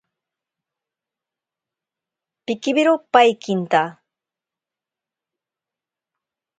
Pikiwiro paikinta.